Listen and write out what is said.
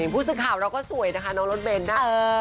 ผู้สื่อข่าวเราก็สวยนะคะน้องรถเบนนะ